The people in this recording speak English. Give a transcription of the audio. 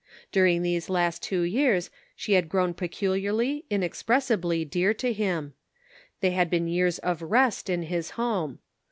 During these last two years she had grown peculiarly, inexpressibly dear to him ; they had been years of rest in his home.